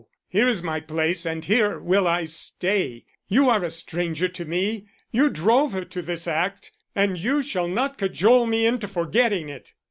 Here is my place and here will I stay. You are a stranger to me! You drove her to this act, and you shall not cajole me into forgetting it."